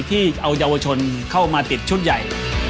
ที่เอาเยาวชนเข้ามาติดชุดใหญ่